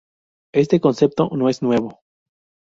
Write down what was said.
Este concepto no es nuevo.